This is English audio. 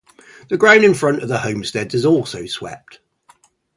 The ground in front of the homesteads is also swept.